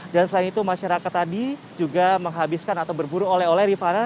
dan selain itu masyarakat tadi juga menghabiskan atau berburu oleh oleh rifana